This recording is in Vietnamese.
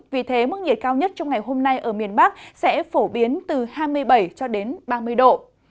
vì thế mức nhiệt cao nhất trong ngày hôm nay ở miền bắc sẽ phổ biến từ hai mươi bảy cho đến ba mươi độ